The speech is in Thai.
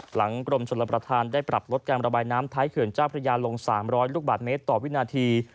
กรมชนรับประทานได้ปรับลดการระบายน้ำท้ายเขื่อนเจ้าพระยาลง๓๐๐ลูกบาทเมตรต่อวินาที